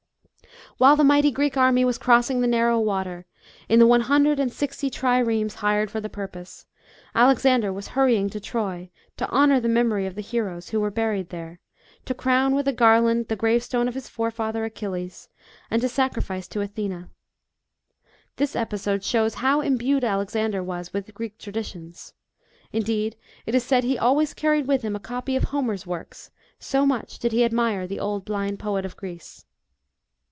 While the mighty Greek army \\as crossing the narrow water, in the one hundred and sixty triremes hired for the purpose, Alexander was hurrying to Troy, to honour the memory of the heroes, who were buried there, to crown with a garland the gravestone of his forefather Achilles, and to sacrifice to Athena. This episode shows how imbued Alexander was with Greek traditions indeed, it is said, he always carried with him a copy of Homer's works, so much did he admire the old blind poet of Greece.